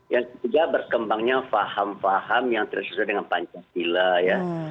yang ketiga berkembangnya paham paham yang tersesat dengan pancasila ya